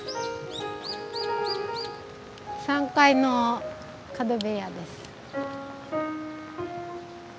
３階の角部屋です。